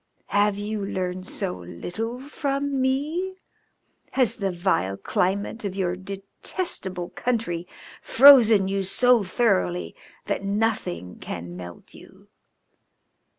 Have you learned so little from me? Has the vile climate of your detestable country frozen you so thoroughly that nothing can melt you?